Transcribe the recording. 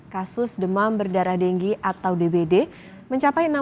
kasus demam berdarah denggi atau dbd di kota depok meningkat signifikan